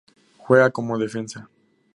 Juega como defensa.